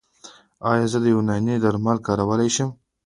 ایا زه یوناني درمل کارولی شم؟